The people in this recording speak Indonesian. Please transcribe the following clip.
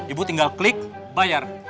ibu tinggal klik bayar